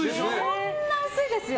こんなに薄いですよ。